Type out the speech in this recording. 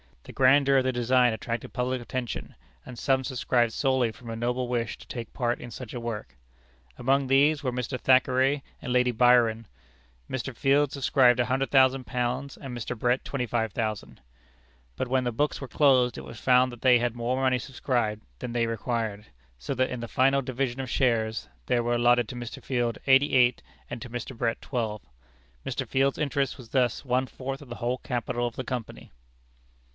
The grandeur of the design attracted public attention, and some subscribed solely from a noble wish to take part in such a work. Among these were Mr. Thackeray and Lady Byron. Mr. Field subscribed £100,000, and Mr. Brett £25,000. But when the books were closed, it was found that they had more money subscribed than they required, so that in the final division of shares, there were allotted to Mr. Field eighty eight, and to Mr. Brett twelve. Mr. Field's interest was thus one fourth of the whole capital of the Company.